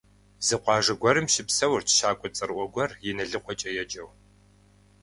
Зы къуажэ гуэрым щыпсэурт щакӀуэ цӀэрыӀуэ гуэр ИналыкъуэкӀэ еджэу.